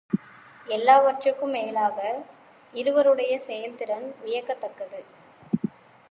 எல்லாவற்றிற்கும் மேலாக இவருடைய செயல்திறன் வியக்கத்தக்கது.